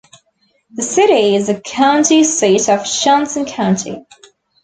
The city is the county seat of Johnson County.